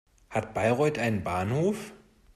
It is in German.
Hat Bayreuth einen Bahnhof?